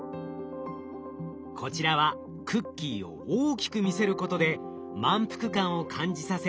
こちらはクッキーを大きく見せることで満腹感を感じさせ